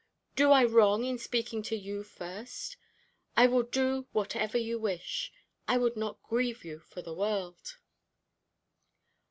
Do I wrong in speaking to you first? I will do whatever you wish; I would not grieve you for the world."